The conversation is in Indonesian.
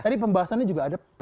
tadi pembahasannya juga ada